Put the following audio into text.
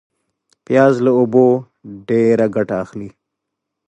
پیاز له اوبو ډېر ګټه اخلي